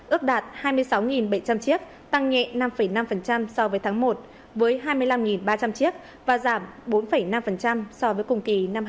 ước đạt hai mươi sáu bảy trăm linh chiếc tăng nhẹ năm năm so với tháng một